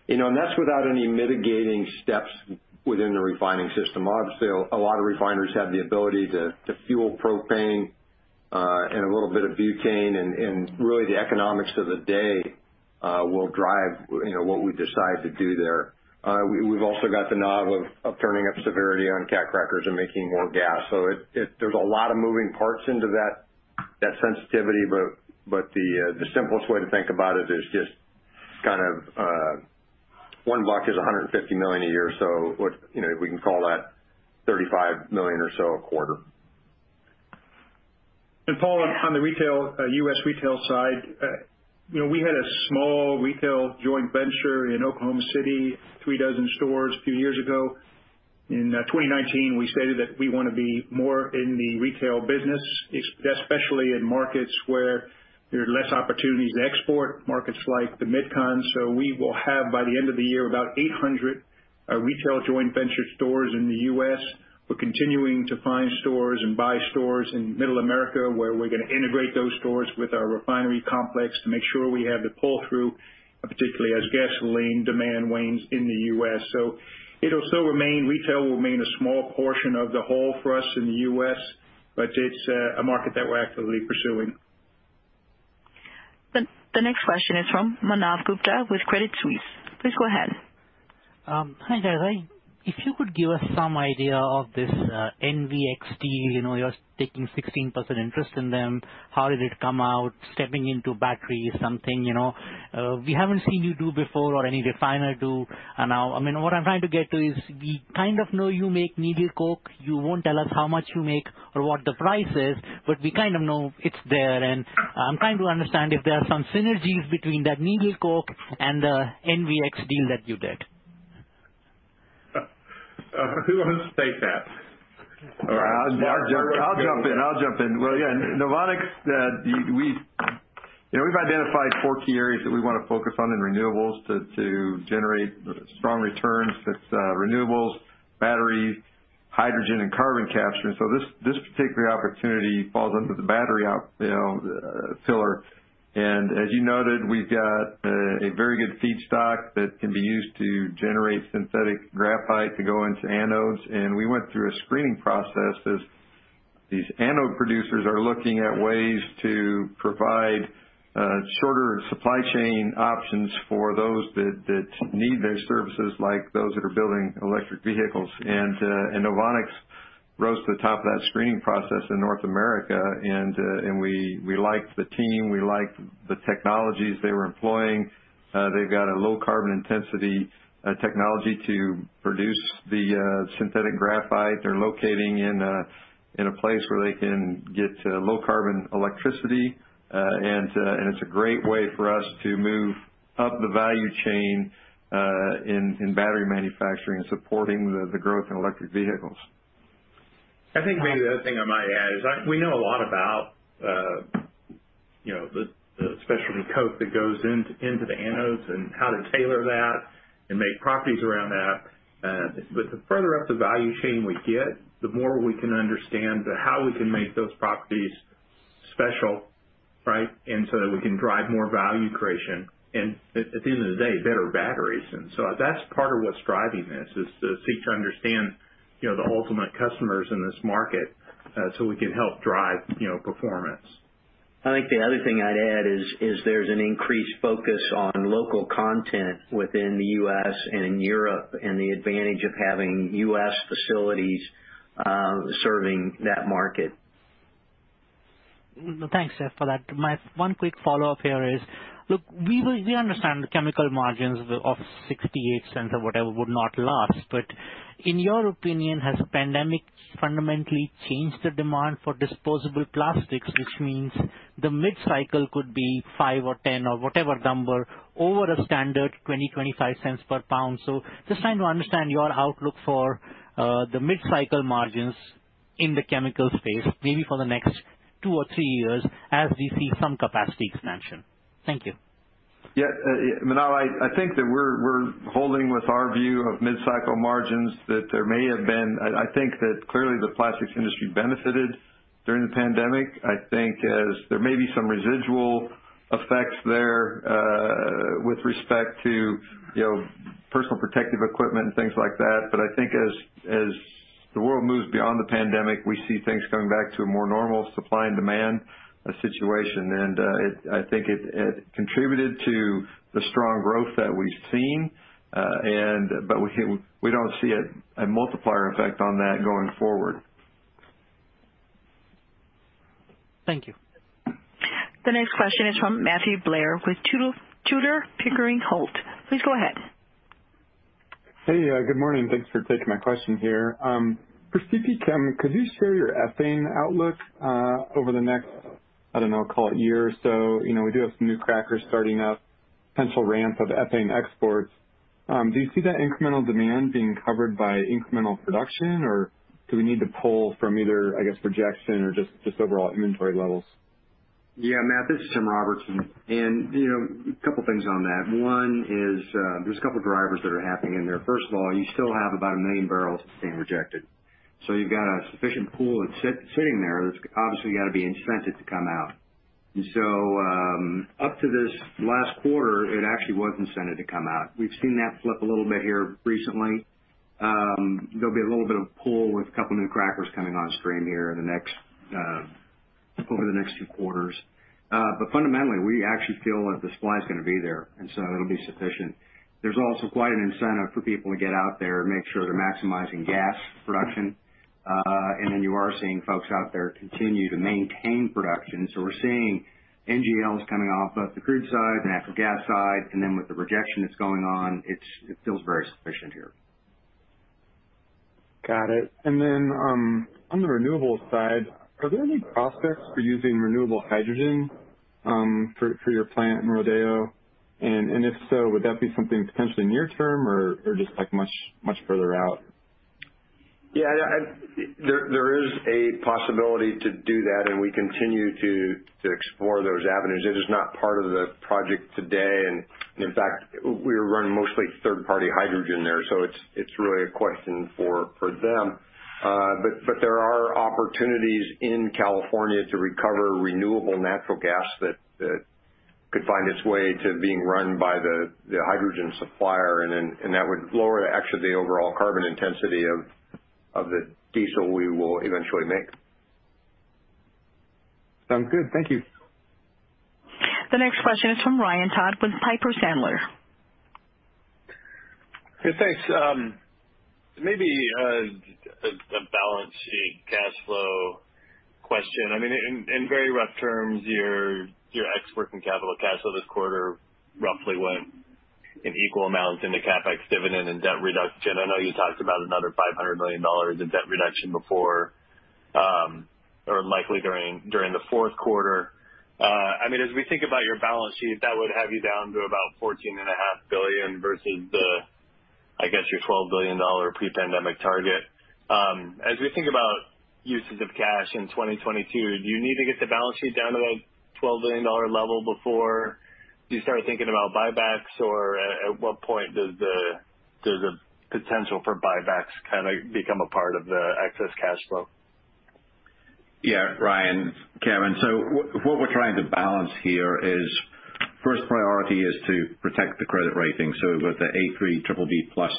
You know, and that's without any mitigating steps within the refining system. Obviously, a lot of refiners have the ability to fuel propane and a little bit of butane and really the economics of the day will drive, you know, what we decide to do there. We've also got the knob of turning up severity on cat crackers and making more gas. There's a lot of moving parts into that sensitivity, but the simplest way to think about it is just kind of $1 is $150 million a year, so what, you know, we can call that $35 million or so a quarter. Paul, on the retail, U.S. retail side, you know, we had a small retail joint venture in Oklahoma City, three dozen stores a few years ago. In 2019, we stated that we wanna be more in the retail business, especially in markets where there are less opportunities to export, markets like the MidCon. We will have, by the end of the year, about 800 retail joint venture stores in the U.S. We're continuing to find stores and buy stores in Middle America, where we're gonna integrate those stores with our refinery complex to make sure we have the pull-through, particularly as gasoline demand wanes in the U.S. Retail will remain a small portion of the whole for us in the U.S., but it's a market that we're actively pursuing. The next question is from Manav Gupta with Credit Suisse. Please go ahead. Hi, guys. If you could give us some idea of this NVX deal, you know, you're taking 16% interest in them. How did it come out? Stepping into battery is something, you know, we haven't seen you do before or any refiner do. Now, I mean, what I'm trying to get to is we kind of know you make needle coke. You won't tell us how much you make or what the price is, but we kind of know it's there. I'm trying to understand if there are some synergies between that needle coke and the NVX deal that you did. Who wants to take that? I'll jump in. Well, yeah, Novonix, we, you know, we've identified four key areas that we want to focus on in renewables to generate strong returns. It's renewables, batteries, hydrogen and carbon capture. This particular opportunity falls under the battery pillar. As you noted, we've got a very good feedstock that can be used to generate synthetic graphite to go into anodes. We went through a screening process as these anode producers are looking at ways to provide shorter supply chain options for those that need those services, like those that are building electric vehicles. We liked the team, we liked the technologies they were employing. They've got a low carbon intensity technology to produce the synthetic graphite. They're locating in a place where they can get low carbon electricity. It's a great way for us to move up the value chain in battery manufacturing and supporting the growth in electric vehicles. I think maybe the other thing I might add is that we know a lot about, you know, the specialty coat that goes into the anodes and how to tailor that and make properties around that. The further up the value chain we get, the more we can understand how we can make those properties special, right, that we can drive more value creation and at the end of the day, better batteries. That's part of what's driving this, is to seek to understand, you know, the ultimate customers in this market, so we can help drive, you know, performance. I think the other thing I'd add is there's an increased focus on local content within the U.S. and Europe, and the advantage of having U.S. facilities serving that market. Thanks, Jeff, for that. My one quick follow-up here is, look, we understand the chemical margins of $0.68 or whatever would not last. In your opinion, has the pandemic fundamentally changed the demand for disposable plastics, which means the mid-cycle could be five or 10 or whatever number over a standard 20-25 cents per pound? Just trying to understand your outlook for the mid-cycle margins in the chemical space, maybe for the next two or three years as we see some capacity expansion. Thank you. Manav, I think that we're holding with our view of mid-cycle margins that there may have been. I think that clearly the plastics industry benefited during the pandemic. I think that there may be some residual effects there with respect to, you know, personal protective equipment and things like that. I think, as the world moves beyond the pandemic, we see things going back to a more normal supply and demand situation. I think it contributed to the strong growth that we've seen. But we don't see a multiplier effect on that going forward. Thank you. The next question is from Matthew Blair with Tudor, Pickering, Holt. Please go ahead. Hey, good morning. Thanks for taking my question here. For CP Chem, could you share your ethane outlook, over the next, I don't know, call it year or so? You know, we do have some new crackers starting up, potential ramp of ethane exports. Do you see that incremental demand being covered by incremental production, or do we need to pull from either, I guess, rejection or just overall inventory levels? Yeah. Matt, this is Tim Roberts. You know, a couple things on that. One is, there's a couple of drivers that are happening in there. First of all, you still have about 1 million barrels that's being rejected. So you've got a sufficient pool that's sitting there that's obviously got to be incented to come out. Up to this last quarter, it actually was incented to come out. We've seen that flip a little bit here recently. There'll be a little bit of pull with a couple of new crackers coming on stream here in the next, over the next few quarters. But fundamentally, we actually feel that the supply is gonna be there, and so it'll be sufficient. There's also quite an incentive for people to get out there and make sure they're maximizing gas production. You are seeing folks out there continue to maintain production. We're seeing NGLs coming off both the crude side, the natural gas side, and then with the rejection that's going on. It feels very sufficient here. Got it. On the renewables side, are there any prospects for using renewable hydrogen for your plant in Rodeo? If so, would that be something potentially near-term or just like much further out? Yeah. There is a possibility to do that, and we continue to explore those avenues. It is not part of the project today. In fact, we're running mostly third-party hydrogen there. It's really a question for them. But there are opportunities in California to recover renewable natural gas that could find its way to being run by the hydrogen supplier, and that would lower actually the overall carbon intensity of the diesel we will eventually make. Sounds good. Thank you. The next question is from Ryan Todd with Piper Sandler. Yeah, thanks. Maybe a balance sheet, cash flow question. I mean, in very rough terms, your expected cash flow this quarter roughly went in equal amounts into CapEx, dividend and debt reduction. I know you talked about another $500 million in debt reduction before or likely during the fourth quarter. I mean, as we think about your balance sheet, that would have you down to about $14.5 billion versus the, I guess, your $12 billion pre-pandemic target. As we think about usage of cash in 2022, do you need to get the balance sheet down to that $12 billion level before you start thinking about buybacks? Or at what point does the potential for buybacks kind of become a part of the excess cash flow? Yeah. Ryan, Kevin. What we're trying to balance here is the first priority is to protect the credit rating. With the A3, BBB+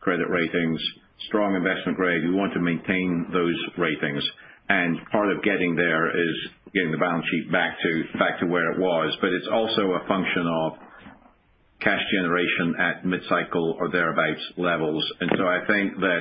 credit ratings, strong investment grade, we want to maintain those ratings. Part of getting there is getting the balance sheet back to where it was. It's also a function of cash generation at mid-cycle or thereabouts levels. I think that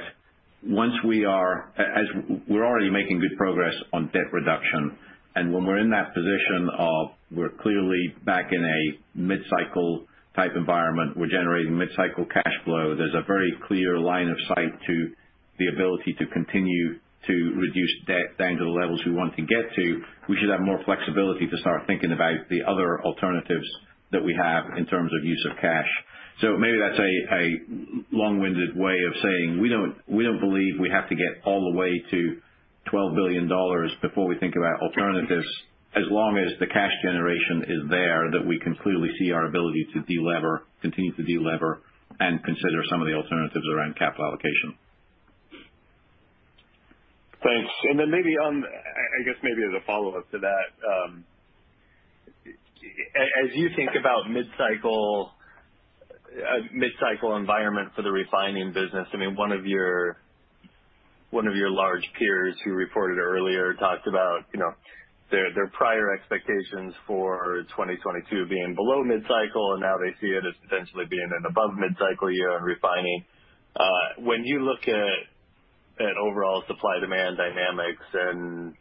once we are, as we're already making good progress on debt reduction, and when we're in that position of we're clearly back in a mid-cycle type environment, we're generating mid-cycle cash flow, there's a very clear line of sight to the ability to continue to reduce debt down to the levels we want to get to. We should have more flexibility to start thinking about the other alternatives that we have in terms of use of cash. Maybe that's a long-winded way of saying we don't believe we have to get all the way to $12 billion before we think about alternatives, as long as the cash generation is there, that we can clearly see our ability to delever, continue to delever and consider some of the alternatives around capital allocation. Thanks. I guess maybe as a follow-up to that, as you think about mid-cycle environment for the refining business, I mean, one of your large peers who reported earlier talked about, you know, their prior expectations for 2022 being below mid-cycle, and now they see it as potentially being an above mid-cycle year in refining. When you look at overall supply-demand dynamics and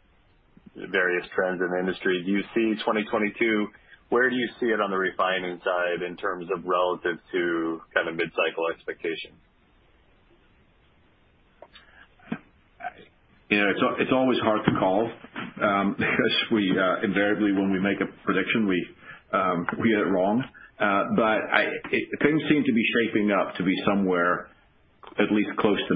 various trends in the industry, do you see 2022, where do you see it on the refining side in terms of relative to kind of mid-cycle expectations? You know, it's always hard to call, because we invariably when we make a prediction, we get it wrong. Things seem to be shaping up to be somewhere at least close to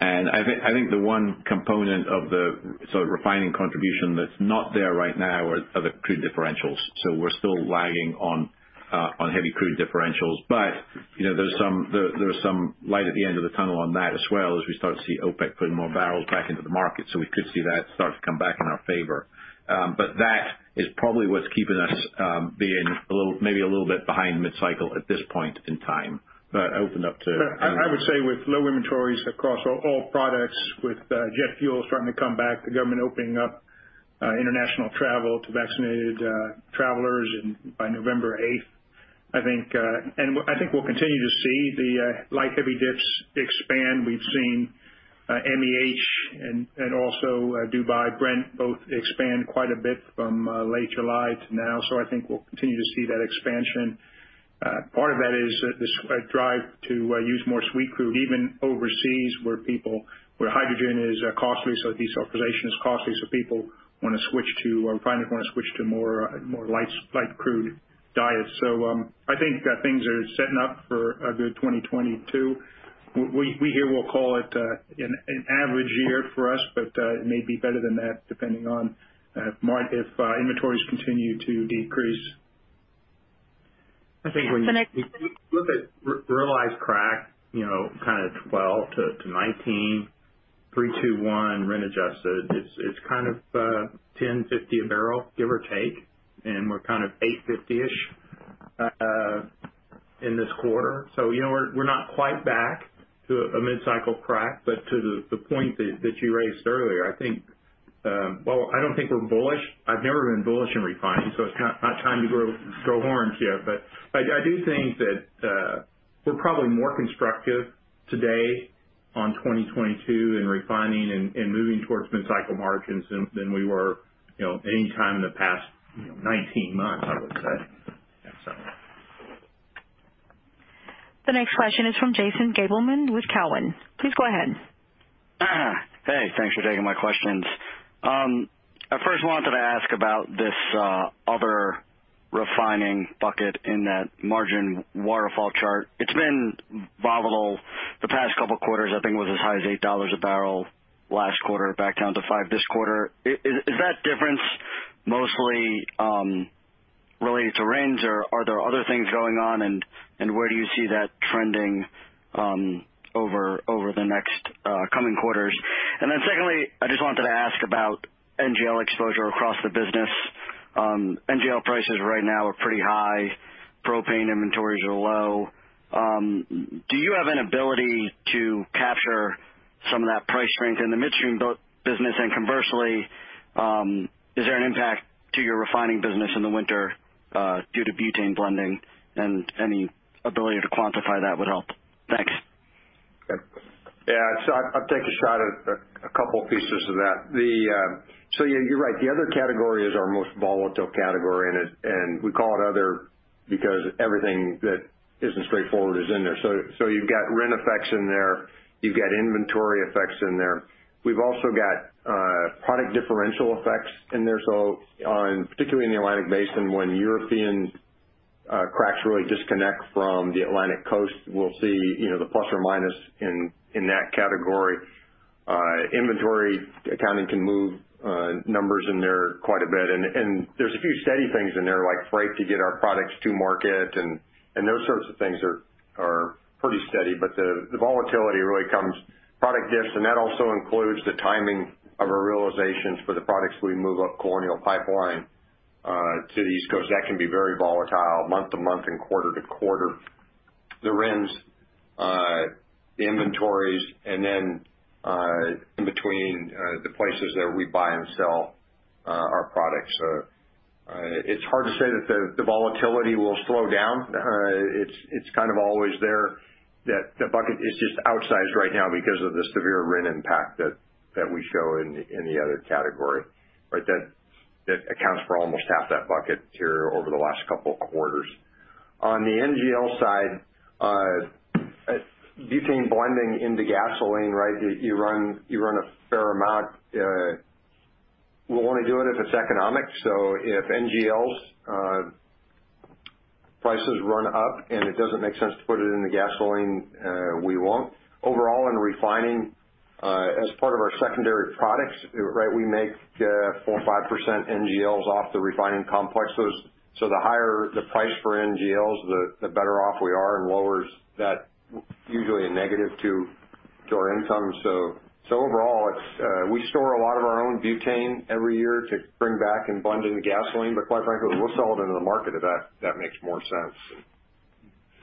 mid-cycle. I think the one component of the sort of refining contribution that's not there right now are the crude differentials. We're still lagging on heavy crude differentials. You know, there's some light at the end of the tunnel on that as well as we start to see OPEC putting more barrels back into the market. We could see that start to come back in our favor. But that is probably what's keeping us being a little, maybe a little bit behind mid-cycle at this point in time. Open up to- I would say with low inventories across all products, with jet fuel starting to come back, the government opening up, international travel to vaccinated travelers by November eighth, I think, and I think we'll continue to see the light heavy dips expand. We've seen MEH and also Dubai, Brent both expand quite a bit from late July to now. I think we'll continue to see that expansion. Part of that is this drive to use more sweet crude, even overseas where hydrogen is costly, so dieselization is costly, so people wanna switch to or finally wanna switch to more light crude diet. I think that things are setting up for a good 2022. We here will call it an average year for us, but it may be better than that depending on Mark, if inventories continue to decrease. I think when you The next- Look at realized crack, you know, kind of 12-19 3:2:1 Brent adjusted. It's kind of $10.50 a barrel, give or take, and we're kind of $8.50-ish in this quarter. You know, we're not quite back to a mid-cycle crack. But to the point that you raised earlier, I think, well, I don't think we're bullish. I've never been bullish in refining, so it's kind of not time to grow horns yet. But I do think that we're probably more constructive today on 2022 in refining and moving towards mid-cycle margins than we were any time in the past 19 months, I would say. Yeah. The next question is from Jason Gabelman with Cowen. Please go ahead. Hey, thanks for taking my questions. I first wanted to ask about this other refining bucket in that margin waterfall chart. It's been volatile the past couple quarters. I think it was as high as $8 a barrel last quarter, back down to $5 this quarter. Is that difference mostly related to RINs or are there other things going on, and where do you see that trending over the next coming quarters? Secondly, I just wanted to ask about NGL exposure across the business. NGL prices right now are pretty high. Propane inventories are low. Do you have an ability to capture some of that price strength in the midstream business? Conversely, is there an impact to your refining business in the winter, due to butane blending, and any ability to quantify that would help? Thanks. Yeah. I'll take a shot at a couple pieces of that. Yeah, you're right. The other category is our most volatile category, and we call it other Because everything that isn't straightforward is in there. You've got RINs effects in there, you've got inventory effects in there. We've also got product differential effects in there. On particularly in the Atlantic Basin, when European cracks really disconnect from the Atlantic Coast, we'll see, you know, the plus or minus in that category. Inventory accounting can move numbers in there quite a bit. And there's a few steady things in there, like freight to get our products to market and those sorts of things are pretty steady. But the volatility really comes from product diffs, and that also includes the timing of our realizations for the products we move up Colonial Pipeline to the East Coast. That can be very volatile month-to-month and quarter-to-quarter. The RINs, the inventories, and then, in between, the places that we buy and sell our products. It's hard to say that the volatility will slow down. It's kind of always there. The bucket is just outsized right now because of the severe RIN impact that we show in the other category. That accounts for almost half that bucket here over the last couple of quarters. On the NGL side, butane blending into gasoline, right? You run a fair amount. We'll only do it if it's economic. If NGLs prices run up and it doesn't make sense to put it in the gasoline, we won't. Overall in refining, as part of our secondary products, right, we make four or five% NGLs off the refining complexes. The higher the price for NGLs, the better off we are, and lower that usually a negative to our income. Overall, we store a lot of our own butane every year to bring back and blend in gasoline. Quite frankly, we'll sell it into the market if that makes more sense.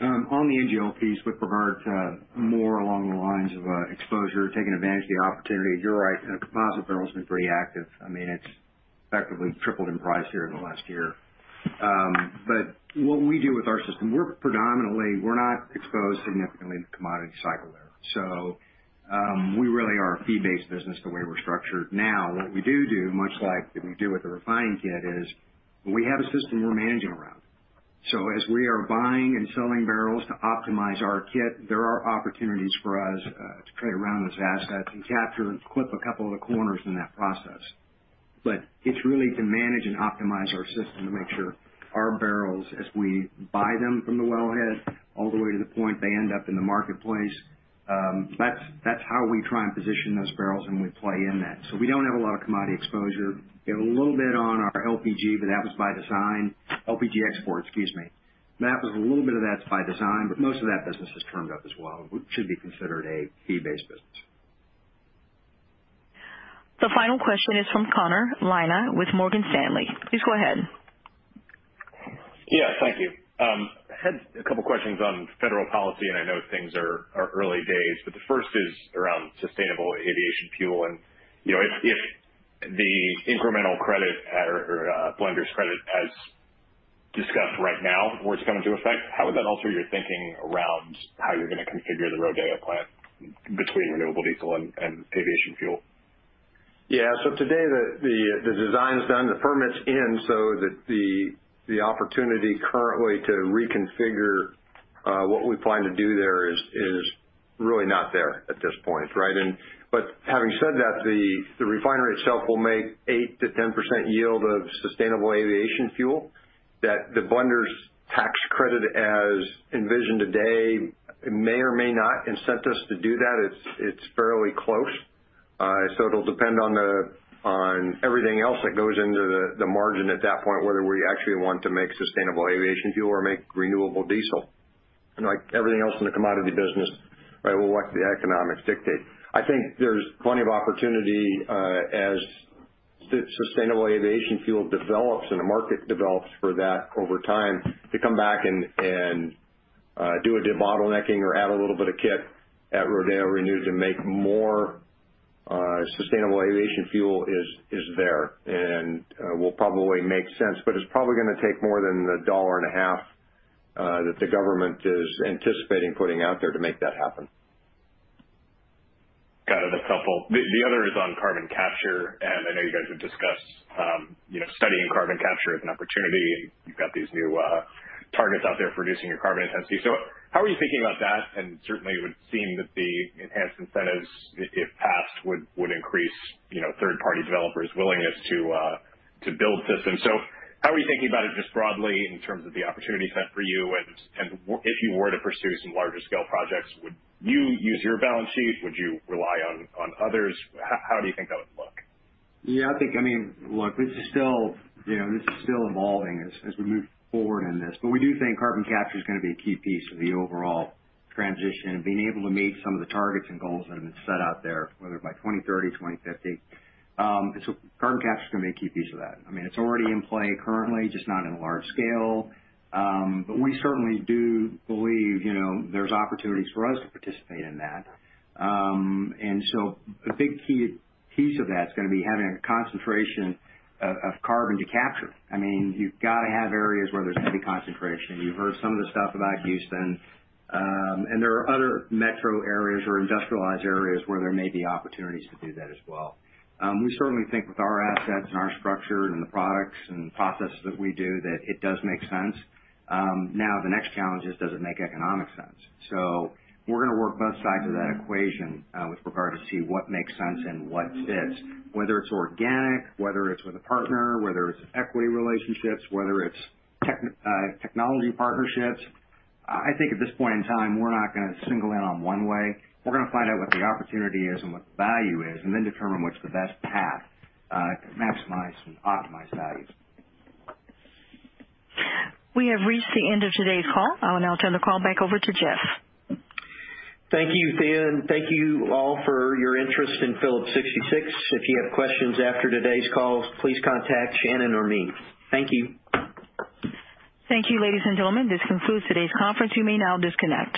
On the NGL piece with regard to more along the lines of exposure, taking advantage of the opportunity, you're right, you know, composite barrel's been pretty active. I mean, it's effectively tripled in price here in the last year. What we do with our system, we're predominantly not exposed significantly to commodity cycle there. We really are a fee-based business the way we're structured. Now, what we do do, much like we do with the refining kit, is we have a system we're managing around. As we are buying and selling barrels to optimize our kit, there are opportunities for us to play around with assets and capture and clip a couple of the corners in that process. It's really to manage and optimize our system to make sure our barrels, as we buy them from the wellhead all the way to the point they end up in the marketplace, that's how we try and position those barrels, and we play in that. We don't have a lot of commodity exposure. We have a little bit on our LPG export, but that was by design. That's by design, but most of that business is termed up as well. We should be considered a fee-based business. The final question is from Connor Lynagh with Morgan Stanley. Please go ahead. Yeah, thank you. Had a couple questions on federal policy, and I know things are early days, but the first is around sustainable aviation fuel and, you know, if the incremental credit or blender's credit as discussed right now were to come into effect, how would that alter your thinking around how you're gonna configure the Rodeo plant between renewable diesel and aviation fuel? Yeah. Today the design is done, the permit's in, so the opportunity currently to reconfigure what we plan to do there is really not there at this point, right? But having said that, the refinery itself will make 8%-10% yield of sustainable aviation fuel that the blender's tax credit as envisioned today may or may not incent us to do that. It's fairly close. So it'll depend on the on everything else that goes into the margin at that point, whether we actually want to make sustainable aviation fuel or make renewable diesel. Like everything else in the commodity business, right, we'll watch the economics dictate. I think there's plenty of opportunity, as the sustainable aviation fuel develops and the market develops for that over time to come back and do a debottlenecking or add a little bit of kit at Rodeo Renewed to make more sustainable aviation fuel is there and will probably make sense. It's probably gonna take more than $1.50 that the government is anticipating putting out there to make that happen. Got it. The other is on carbon capture, and I know you guys have discussed, you know, studying carbon capture as an opportunity, and you've got these new targets out there for reducing your carbon intensity. How are you thinking about that? Certainly it would seem that the enhanced incentives, if passed, would increase, you know, third-party developers' willingness to to build systems. How are you thinking about it just broadly in terms of the opportunity set for you? If you were to pursue some larger scale projects, would you use your balance sheet? Would you rely on others? How do you think that would look? Yeah, I think, I mean, look, this is still, you know, evolving as we move forward in this, but we do think carbon capture is gonna be a key piece of the overall transition and being able to meet some of the targets and goals that have been set out there, whether by 2030, 2050. Carbon capture is gonna be a key piece of that. I mean, it's already in play currently, just not in large scale. We certainly do believe, you know, there's opportunities for us to participate in that. A big key piece of that's gonna be having a concentration of carbon to capture. I mean, you've gotta have areas where there's heavy concentration. You've heard some of the stuff about Houston, and there are other metro areas or industrialized areas where there may be opportunities to do that as well. We certainly think with our assets and our structure and the products and processes that we do that it does make sense. Now the next challenge is does it make economic sense? We're gonna work both sides of that equation, with regard to see what makes sense and what fits, whether it's organic, whether it's with a partner, whether it's equity relationships, whether it's technology partnerships. I think at this point in time, we're not gonna single in on one way. We're gonna find out what the opportunity is and what the value is and then determine what's the best path to maximize and optimize values. We have reached the end of today's call. I'll now turn the call back over to Jeff. Thank you, Thea, and thank you all for your interest in Phillips 66. If you have questions after today's call, please contact Shannon or me. Thank you. Thank you, ladies and gentlemen. This concludes today's conference. You may now disconnect.